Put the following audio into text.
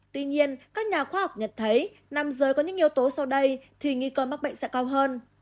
tuy nhiên các nhà khoa học nhận thấy nam giới có những yếu tố sau đây thì nghi cơ mắc bệnh sẽ cao hơn